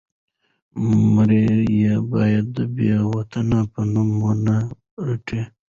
مړی یې باید د بې وطنه په نوم ونه رټي.